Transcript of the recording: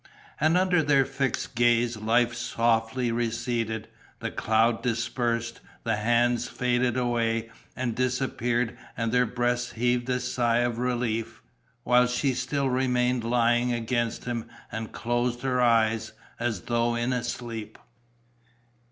And under their fixed gaze life softly receded, the cloud dispersed, the hands faded away and disappeared and their breasts heaved a sigh of relief, while she still remained lying against him and closed her eyes, as though in sleep....